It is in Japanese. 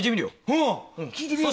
ああ聞いてみようぜ。